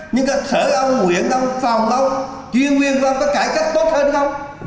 nhưng cả sở ông nguyện ông phòng ông chuyên nguyên ông có cải cách tốt hơn không